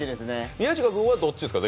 宮近君はどっちですか？